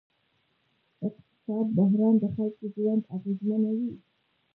اقتصادي بحران د خلکو ژوند اغېزمنوي.